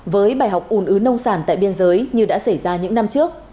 với bài học ưu nứ nông sản tại biên giới như đã xảy ra những năm trước